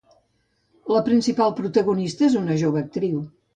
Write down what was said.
La principal protagonista és una jove actriu.